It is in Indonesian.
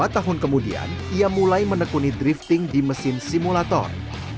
dua tahun kemudian ia mulai menekuni drifting di mesin simulator